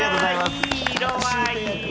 いい色合い。